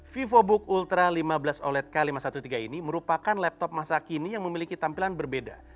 vivobook ultra lima belas oled k lima ratus tiga belas ini merupakan laptop masa kini yang memiliki tampilan berbeda